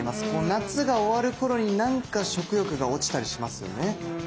夏が終わる頃になんか食欲が落ちたりしますよね。